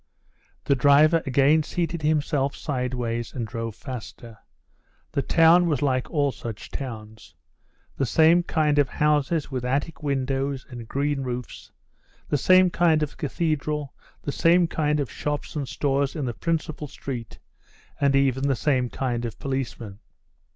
The driver again seated himself sideways and drove faster. The town was like all such towns. The same kind of houses with attic windows and green roofs, the same kind of cathedral, the same kind of shops and stores in the principal street, and even the same kind of policemen.